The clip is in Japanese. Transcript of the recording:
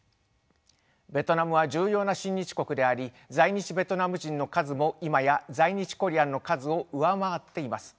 ベトナムは重要な親日国であり在日ベトナム人の数も今や在日コリアンの数を上回っています。